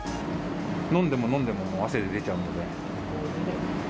飲んでも飲んでも汗で出ちゃうんで。